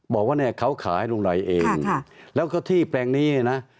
บอกว่าเนี่ยเขาขายลุงไรเองแล้วก็ที่แปลงนี้นะ